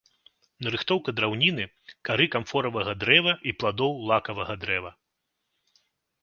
Нарыхтоўка драўніны, кары камфоравага дрэва і пладоў лакавага дрэва.